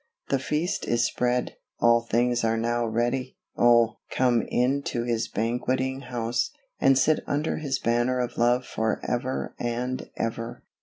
The feast is spread; all things are now ready. Oh! come into His banqueting house, and sit under His banner of love for ever and ever.